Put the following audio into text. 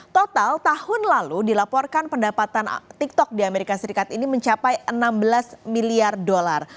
total tahun lalu dilaporkan pendapatan tiktok di amerika serikat ini mencapai enam belas miliar dolar